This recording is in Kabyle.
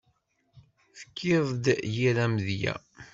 Tefkiḍ-d yir amedya.